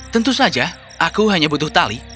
tentu saja aku hanya butuh tali